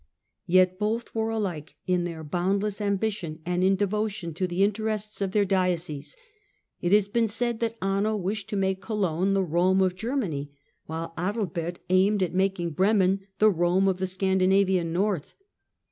Yet both were alike in their boundless ambition, and in devotion to the interests of their dioceses. It has been said that Anno wished to make Cologne the Rome of Germany, while Adalbert aimed at making Bremen the Eome of the Scandinavian North.